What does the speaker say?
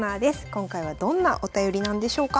今回はどんなお便りなんでしょうか。